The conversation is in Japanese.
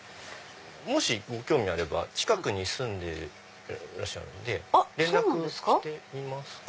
もしご興味あれば近くに住んでらっしゃるので連絡してみますか？